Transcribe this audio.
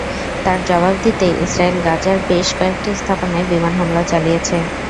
তার জবাব দিতেই ইসরায়েল গাজার বেশ কয়েকটি স্থাপনায় বিমান হামলা চালিয়েছে।